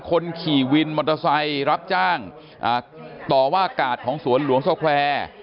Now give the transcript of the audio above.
คนขี่วินมอเตอร์ไซค์รับจ้างต่อว่ากาดของสวนหลวงสแควร์